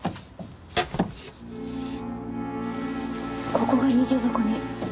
ここが二重底に。